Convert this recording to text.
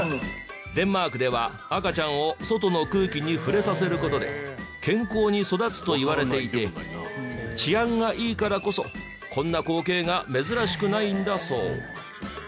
デンマークでは赤ちゃんを外の空気に触れさせる事で健康に育つといわれていて治安がいいからこそこんな光景が珍しくないんだそう。